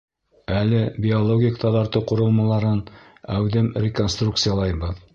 — Әле биологик таҙартыу ҡоролмаларын әүҙем реконструкциялайбыҙ.